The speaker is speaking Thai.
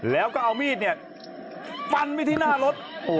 แล้วก็เอามีดเนี่ยฟันไปที่หน้ารถ